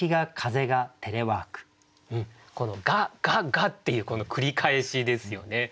「が」っていうこの繰り返しですよね。